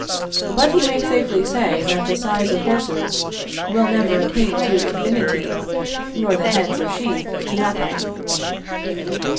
But he may safely say that the size of horses will never attain to infinity, nor the heads of sheep to nothing.